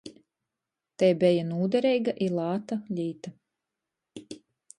Tei beja nūdereiga i lāta līta.